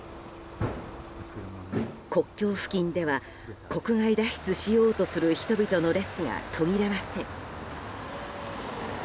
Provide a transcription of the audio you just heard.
国境付近では国外脱出しようとする人々の列が途切れません。